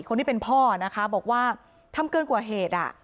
คนที่เป็นพ่อนะคะบอกว่าทำเกินกว่าเหตุ